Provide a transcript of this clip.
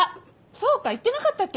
そうか言ってなかったっけ？